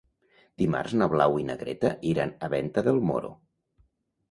Dimarts na Blau i na Greta iran a Venta del Moro.